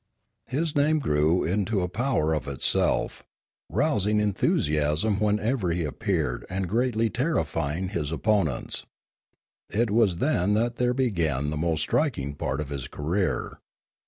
His name grew into a power of itself, rousing enthu siasm wherever he appeared and greatly terrifying his opponents. It was then that there began the most striking part of his career.